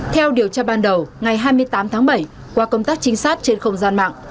theo điều tra ban đầu ngày hai mươi tám tháng bảy qua công tác trinh sát trên không gian mạng